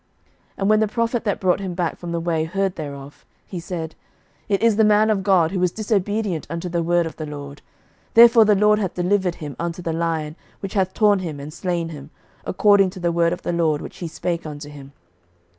11:013:026 And when the prophet that brought him back from the way heard thereof, he said, It is the man of God, who was disobedient unto the word of the LORD: therefore the LORD hath delivered him unto the lion, which hath torn him, and slain him, according to the word of the LORD, which he spake unto him.